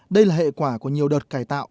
đây là hệ quả của nhiều đợt cải tạo